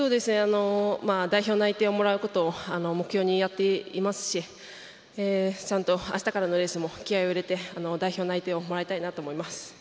代表内定をもらうことを目標にやっていますしちゃんとあしたからのレースも気合い入れて代表内定をもらいたいなと思います。